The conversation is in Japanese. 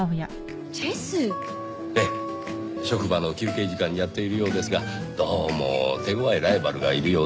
職場の休憩時間にやっているようですがどうも手ごわいライバルがいるようでしてね。